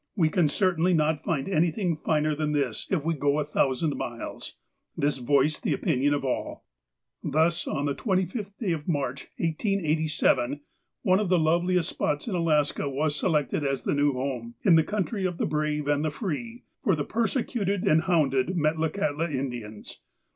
"We can certainly not find anything finer than this, if we go a thousand miles." This voiced the opinion of all. Thus, on the 25th day of March, 1887, one of the loveliest spots in Alaska was selected as the new home, in the country of the brave and the free, for the persecuted and hounded Metlakahtla Indians.